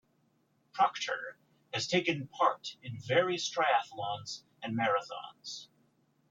Procter has taken part in various triathlons and marathons.